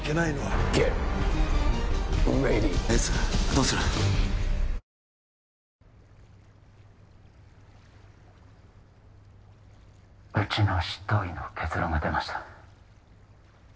うちの執刀医の結論が出ました